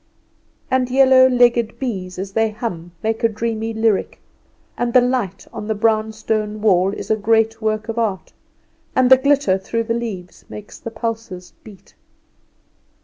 And yellow legged bees as they hum make a dreamy lyric; and the light on the brown stone wall is a great work of art; and the glitter through the leaves makes the pulses beat.